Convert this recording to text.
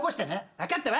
分かったわ。